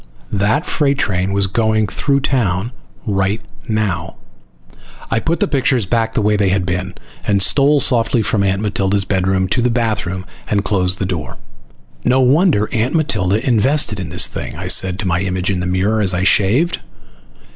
That freight train was going through town right now. I put the pictures back the way they had been, and stole softly from Aunt Matilda's bedroom to the bathroom, and closed the door. "No wonder Aunt Matilda invested in this thing!" I said to my image in the mirror as I shaved.